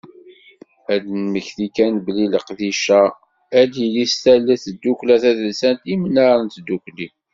Ad d-nesmekti kan belli leqdic-a ad yili s tallelt n tddukkla tadelsant Imnar n Tdukli.